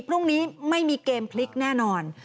พรุ่งนี้ไม่มีเกมพลิกแน่นอน